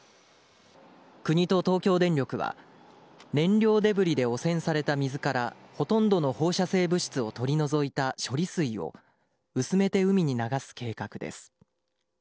国と東京電力は、燃料デブリで汚染された水からほとんどの放射性物質を取り除いた処理水を薄めて海に流す計画です。